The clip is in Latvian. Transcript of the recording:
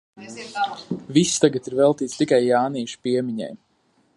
Viss tagad ir veltīts tikai Jānīša piemiņai.